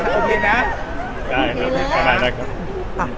ได้ครับประมาณนี้คือคุณครับ